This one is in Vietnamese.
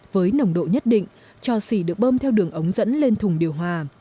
với nồng độ nhất định cho xỉ được bơm theo đường ống dẫn lên thùng điều hòa